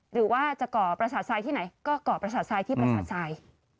หรือว่าจะก่อภาษาทรายที่ไหนก็ก่อภาษาทรายที่ภาษาทราย